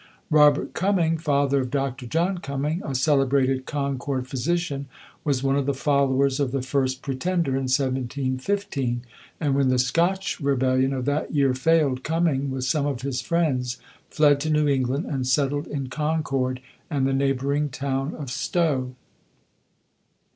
Robert Cumming, father of Dr. John Cumming, a celebrated Concord physician, was one of the followers of the first Pretender in 1715, and when the Scotch rebellion of that year failed, Cumming, with some of his friends, fled to New England, and settled in Concord and the neighboring town of Stow.